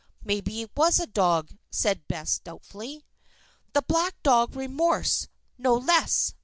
"Maybe it was a dog," said Bess, doubtfully. "'The black dog Remorse,' no less!"